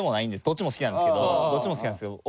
どっちも好きなんですけどどっちも好きなんですけど。